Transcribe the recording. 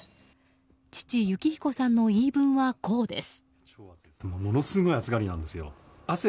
父・幸彦さんの言い分はこうです。